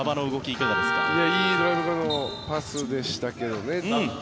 いいパスでしたけどね